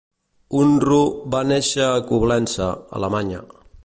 Unruh va néixer a Coblença, Alemanya.